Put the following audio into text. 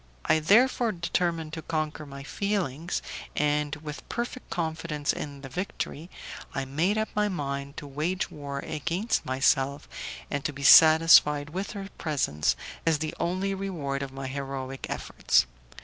I therefore determined to conquer my feelings, and, with perfect confidence in the victory, I made up my mind to wage war against myself, and to be satisfied with her presence as the only reward of my heroic efforts.